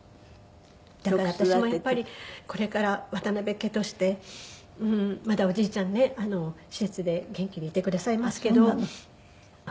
だから私もやっぱりこれから渡辺家としてまだおじいちゃんね施設で元気にいてくださいますけど。